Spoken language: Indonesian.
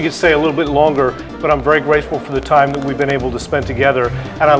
dan saya menantikan untuk berbicara bersama lagi pada masa depan